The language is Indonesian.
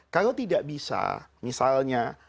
kalau tidak bisa misalnya